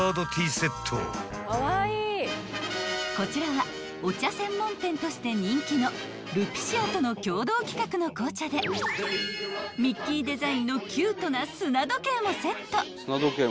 ［こちらはお茶専門店として人気のＬＵＰＩＣＩＡとの共同企画の紅茶でミッキーデザインのキュートな砂時計もセット］